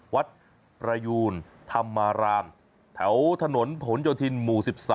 วัดประยูนธรรมารามแถวถนนผลโยธินหมู่๑๒